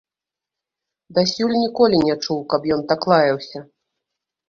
Дасюль ніколі не чуў, каб ён так лаяўся.